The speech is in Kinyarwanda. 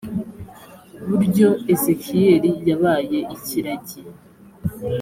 buryo ezekiyeli yabaye ikiragi